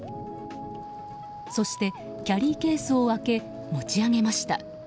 そして、キャリーケースを開け持ち上げました。